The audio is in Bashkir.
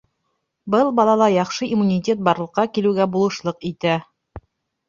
Был балала яҡшы иммунитет барлыҡҡа килеүгә булышлыҡ итә.